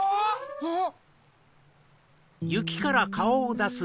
あっ！